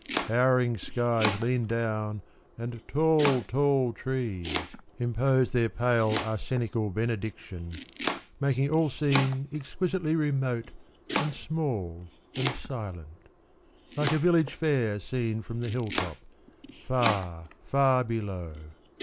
Towering skies lean down and tall, tall trees 13 Impose their pale arsenical benediction, Making all seem exquisitely remote And small and silent, like a village fair Seen from the hill top — far, far below.